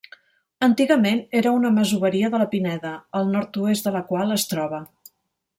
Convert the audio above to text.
Antigament era una masoveria de la Pineda, al nord-oest de la qual es troba.